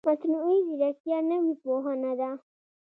مصنوعي ځیرکتیا نوې پوهنه ده